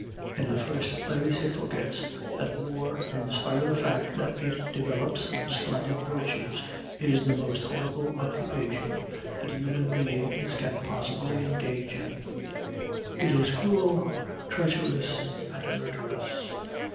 In the first place, it forgets that war, in spite of the fact that it develops some splendid virtues, is the most horrible occupation that human beings can possibly engage in. It is cruel, treacherous, and murderous.